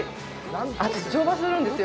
私、乗馬するんですよ。